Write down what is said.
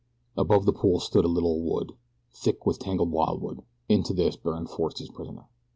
Above the pool stood a little wood, thick with tangled wildwood. Into this Byrne forced his prisoner.